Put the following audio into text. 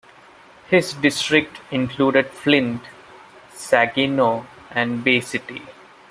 His district included Flint, Saginaw and Bay City.